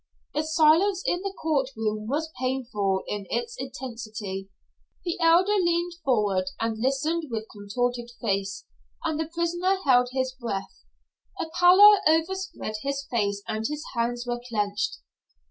The silence in the court room was painful in its intensity. The Elder leaned forward and listened with contorted face, and the prisoner held his breath. A pallor overspread his face and his hands were clenched.